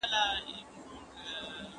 پوهنتون محصلین بهر ته د سفر ازادي نه لري.